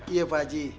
iya pak ji